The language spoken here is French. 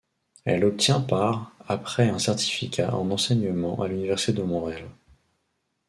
Elle obtient par après un certificat en enseignement à l'Université de Montréal.